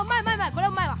これはうまいわ」。